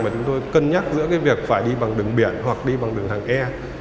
mà chúng tôi cân nhắc giữa việc phải đi bằng đường biển hoặc đi bằng đường hàng e